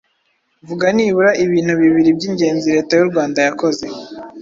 Vuga nibura ibintu bibiri by’ingenzi Leta y’u Rwanda yakoze